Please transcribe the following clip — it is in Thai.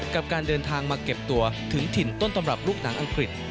กับการเดินทางมาเก็บตัวถึงถิ่นต้นตำรับลูกหนังอังกฤษ